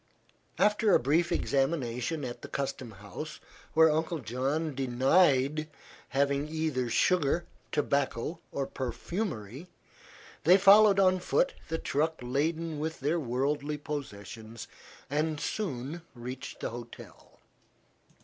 After a brief examination at the custom house, where Uncle John denied having either sugar, tobacco or perfumery, they followed on foot the truck laden with their worldly possessions, and soon reached the hotel.